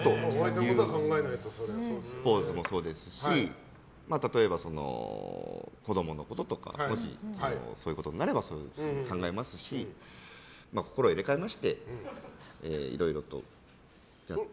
プロポーズもそうですし例えば、子供のこととかもし、そういうことになれば考えますし心を入れ替えましていろいろとやって。